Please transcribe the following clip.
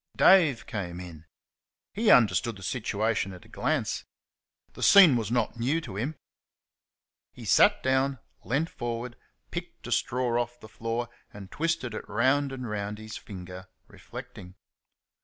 Dave came in. He understood the situation at a glance. The scene was not new to him. He sat down, leant forward, picked a straw off the flor and twisted it round and round his finger, reflecting.